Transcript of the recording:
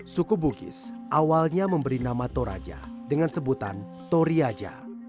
suku bugis awalnya memberi nama toraja dengan sebutan toriaja